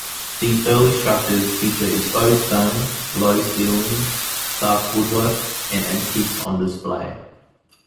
These early structures feature exposed stone, low ceilings, dark woodwork, and antiques on display.